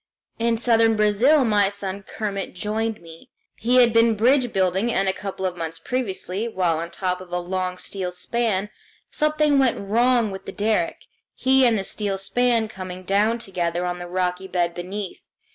In southern Brazil my son Kermit joined me. He had been bridge building, and a couple of months previously, while on top of a long steel span, something went wrong with the derrick, he and the steel span coming down together on the rocky bed beneath.